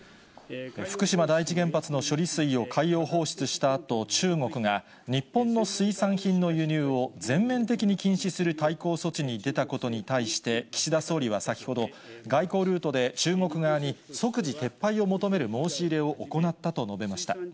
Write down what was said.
福島第一原発の処理水を海洋放出したあと、中国が、日本の水産品の輸入を全面的に禁止する対抗措置に出たことに対して、岸田総理は先ほど、外交ルートで中国側に即時撤廃を求める申し入れを行ったと述べました。